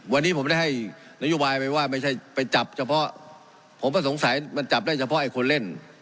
วันนี้ผมได้ให้นโยบายไปว่าไม่ใช่ไปจับเฉพาะผมก็สงสัยมันจับได้เฉพาะไอ้คนเล่น